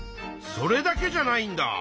それだけじゃないんだ。